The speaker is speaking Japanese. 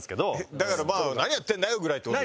だから「何やってんだよ」ぐらいって事でしょ？